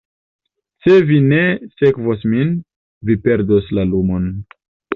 Se vi ne sekvos min, vi perdos la lumon.